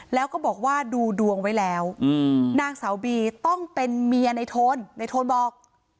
แล้วก็บอกว่าดูดวงไว้แล้วนางสาวบีต้องเป็นเมียในโทนในโทนบอก